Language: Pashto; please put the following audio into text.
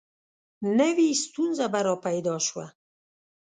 نوي ستونزه به را پیدا شوه.